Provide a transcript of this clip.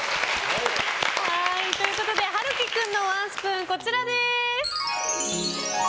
晴紀君のワンスプーンはこちらです。